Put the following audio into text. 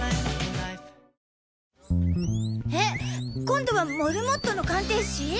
今度はモルモットの鑑定士！？